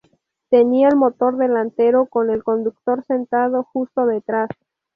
Tenía el motor delantero, con el conductor sentado justo detrás.